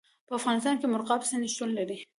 په افغانستان کې مورغاب سیند شتون لري.